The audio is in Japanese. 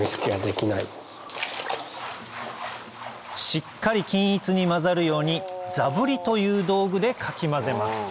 しっかり均一に混ざるようにザブリという道具でかき混ぜます